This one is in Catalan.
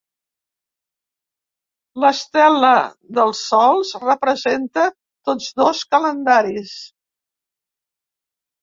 L'estela dels sols representa tots dos calendaris.